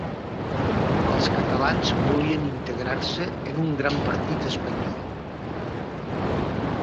Els catalans volien integrar-se en un gran partir espanyol.